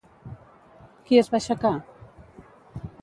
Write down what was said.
Qui es va aixecar?